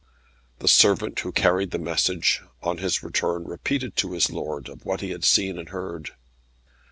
The servant who carried the message, on his return repeated to his lord of what he had seen and heard.